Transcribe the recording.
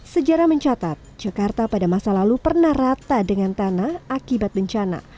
sejarah mencatat jakarta pada masa lalu pernah rata dengan tanah akibat bencana